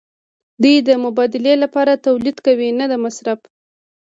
دوی د مبادلې لپاره تولید کوي نه د مصرف.